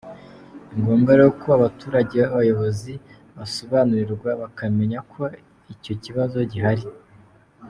Ni ngombwa rero ko abaturage n’abayobozi basobanurirwa bakamenya ko icyo kibazo gihari.